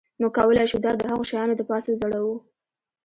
موږ کولی شو دا د هغو شیانو د پاسه وځړوو